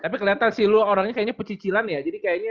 tapi kelihatan sih lo orangnya kayaknya pecicilan ya jadi kayaknya